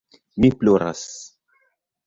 Mi ploras.